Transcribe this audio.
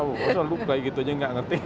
oh selalu kayak gitu aja gak ngerti